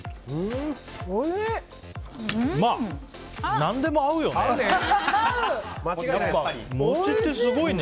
何でも合うよね。